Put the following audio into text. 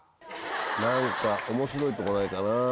何か面白いとこないかな？